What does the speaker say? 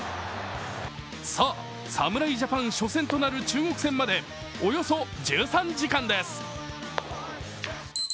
さあ、侍ジャパン初戦となる中国戦までおよそ１３時間です。